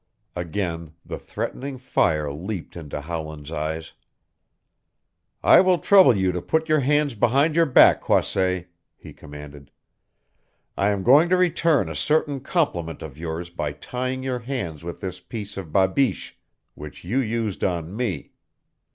Again the threatening fire leaped into Howland's eyes. "I will trouble you to put your hands behind your back, Croisset," he commanded. "I am going to return a certain compliment of yours by tying your hands with this piece of babeesh, which you used on me.